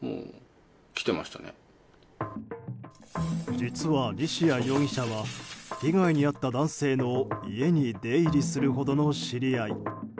実は、西谷容疑者は被害に遭った男性の家に出入りするほどの知り合い。